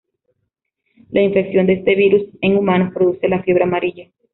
La infección de este virus en humanos produce la fiebre amarilla.